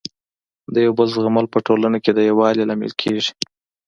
د یو بل زغمل په ټولنه کي د يووالي لامل کيږي.